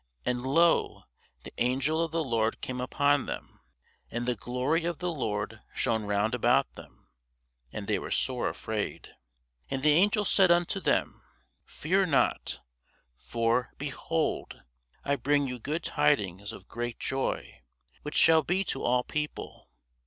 And, lo, the angel of the Lord came upon them, and the glory of the Lord shone round about them: and they were sore afraid. And the angel said unto them, Fear not: for, behold, I bring you good tidings of great joy, which shall be to all people.